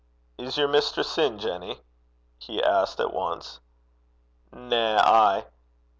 'Is yer mistress in, Jenny?' he asked at once. 'Na. Ay.